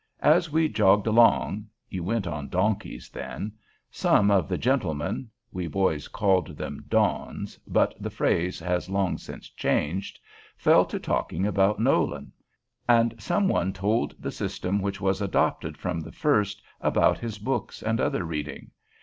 As we jogged along (you went on donkeys then), some of the gentlemen (we boys called them "Dons," but the phrase was long since changed) fell to talking about Nolan, and some one told the system which was adopted from the first about his books and other reading.